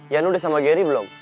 yan udah sama gary belum